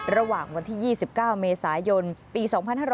ระหว่างวันที่๒๙เมษายนปี๒๕๕๙